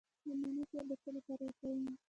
د مڼې ګل د څه لپاره وکاروم؟